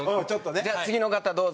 じゃあ次の方どうぞ。